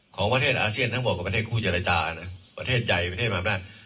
ของประเทศอาเซียนทั้งหมดกับประเทศคู่เยอร์รายจารย์น่ะประเทศใหญ่ประเทศมหาบรรดา